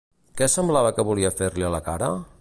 Què semblava que volia fer-li a la cara?